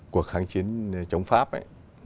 cuộc kháng chiến chống pháp ấy